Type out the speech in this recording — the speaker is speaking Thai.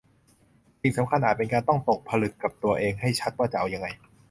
สิ่งสำคัญอาจเป็นการต้องตกผลึกกับตัวเองให้ชัดว่าจะเอายังไง